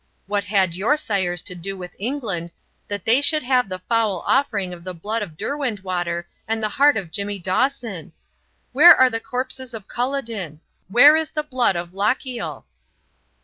What had your sires to do with England that they should have the foul offering of the blood of Derwentwater and the heart of Jimmy Dawson? Where are the corpses of Culloden? Where is the blood of Lochiel?"